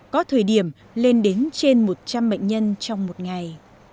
có thời điểm lên đến trên một trăm linh bệnh nhân trong một ngày